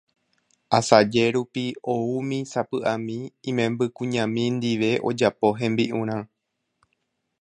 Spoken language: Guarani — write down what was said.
Asaje rupi oúmi sapy'ami imembykuñami ndive ojapo hembi'urã